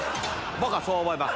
僕はそう思いますね。